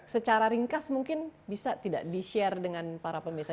secara ringkas mungkin bisa tidak di share dengan para pemirsa